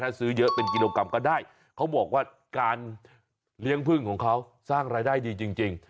ถ้าซื้อเยอะเป็นกิโลกรัมก็ได้เขาบอกว่าการเลี้ยงพึ่งของเขาสร้างรายได้ดีจริง